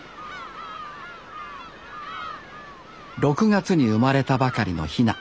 ６月に生まれたばかりのヒナ。